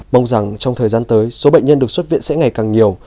mong rằng trong thời gian tới số bệnh nhân được xuất viện sẽ ngày càng nhiều